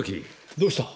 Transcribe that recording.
どうした？